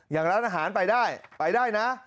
อย่างร้านอาหารไปได้ไปได้นะ